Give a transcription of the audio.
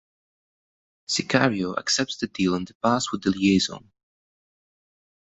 Sicario accepts the deal and departs with the liaison.